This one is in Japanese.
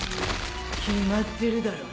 決まってるだろ。